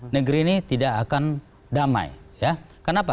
negeri ini tidak akan damai ya kenapa